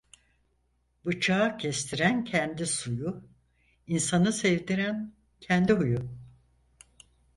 Bıçağı kestiren kendi suyu, insanı sevdiren kendi huyu.